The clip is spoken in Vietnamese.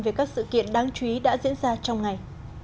về các sự kiện đáng chú ý đã diễn ra trong ngày